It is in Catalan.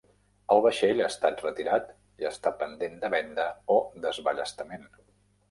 El vaixell ha estat retirat i està pendent de venda o desballestament.